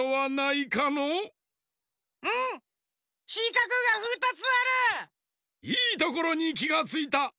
いいところにきがついた！